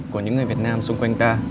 của những người việt nam xung quanh ta